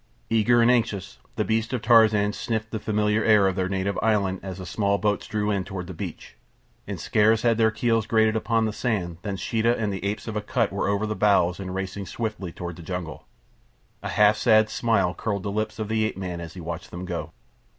Eager and anxious, the beasts of Tarzan sniffed the familiar air of their native island as the small boats drew in toward the beach, and scarce had their keels grated upon the sand than Sheeta and the apes of Akut were over the bows and racing swiftly toward the jungle. A half sad smile curved the lips of the ape man as he watched them go.